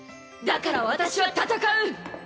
だから私は戦う！